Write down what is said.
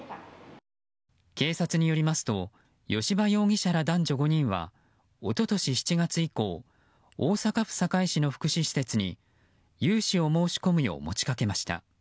警察によりますと吉羽容疑者ら男女５人は一昨年７月以降大阪府堺市の福祉施設に融資を申し込むよう持ちかけました。